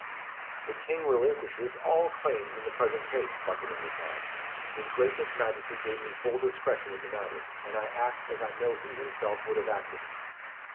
"The King relinquishes all claims in the present case," Buckingham replied. "His gracious Majesty gave me full discretion in the matter, and I act as I know he himself would have acted."